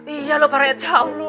iya loh pak raya jauh